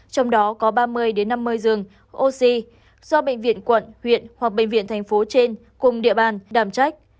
trong đó có ba mươi năm mươi giường oxy do bệnh viện quận huyện hoặc bệnh viện thành phố trên cùng địa bàn đảm trách